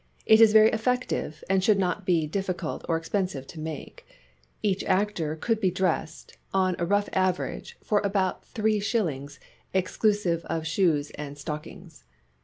It is very effective, and should not be difficult or expensive to make. Each actor could be dressed, on a rough average, for about 35., ex clusive of shoes and stockings.